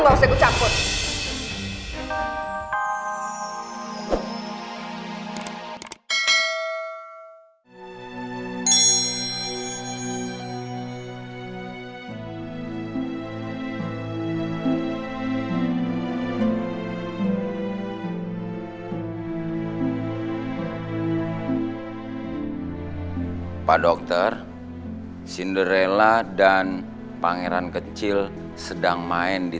bisa dicampur pak dokter cinderella dan pangeran kecil sedang main di